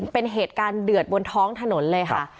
เป็นเหตุการณ์เดือดบนท้องถนนเลยค่ะ